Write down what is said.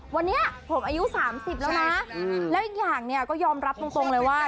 วันนี้ผมอายุ๓๐แล้วนะแล้วอีกอย่างเนี่ยก็ยอมรับตรงเลยว่า